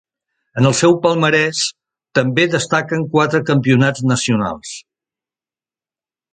En el seu palmarès també destaquen quatre campionats nacionals.